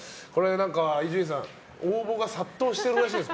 伊集院さん、応募が殺到しているらしいです。